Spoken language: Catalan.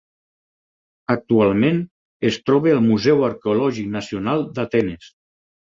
Actualment es troba al Museu Arqueològic Nacional d'Atenes.